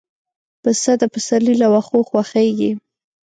پسه د پسرلي له واښو خوښيږي.